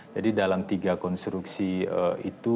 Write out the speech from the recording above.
dalam tiga konstruksi itu